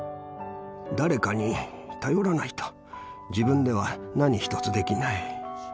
誰かに頼らないと、自分では何一つできない。